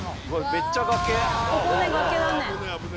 めっちゃ崖。